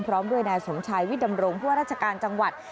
พร้อมด้วยนายสมชายวิดำรงผู้ว่าราชการจังหวัด